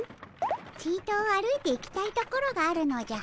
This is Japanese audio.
ちと歩いていきたいところがあるのじゃ。